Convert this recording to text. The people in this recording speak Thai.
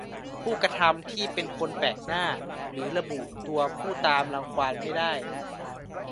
ผู้กระทำที่เป็นคนแปลกหน้าหรือระบุตัวผู้ตามรังควานไม่ได้